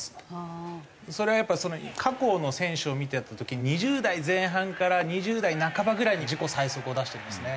それはやっぱり過去の選手を見ていった時２０代前半から２０代半ばぐらいに自己最速を出してるんですね。